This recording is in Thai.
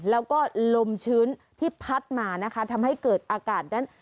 แล้วก็ลมชื้นที่พัดมานะคะทำให้เกิดอากาศนั้น